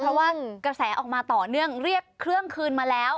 เพราะว่ากระแสออกมาต่อเนื่องเรียกเครื่องคืนมาแล้ว